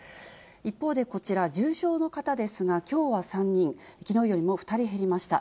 一方でこちら、重症の方ですが、きょうは３人、きのうよりも２人減りました。